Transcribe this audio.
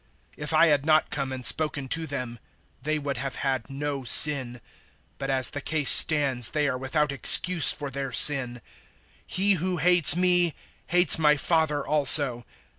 015:022 "If I had not come and spoken to them, they would have had no sin; but as the case stands they are without excuse for their sin. 015:023 He who hates me hates my Father also.